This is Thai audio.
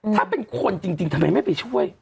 ถ้าเป็นคนจริงทำไมไม่ไปช่วย